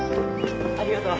ありがとう。